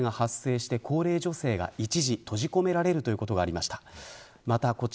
土砂崩れが発生した高齢女性が一時閉じ込められるということがありました。